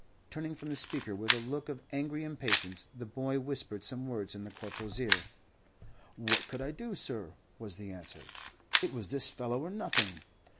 Turning from the speaker with a look of angry impatience, the boy whispered some words in the Corporal's ear. "What could I do, sir?" was the answer; "it was this fellow or nothing."